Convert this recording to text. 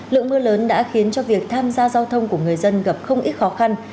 lượng mưa lớn đã khiến cho việc tham gia giao thông của người dân gặp không ít khó khăn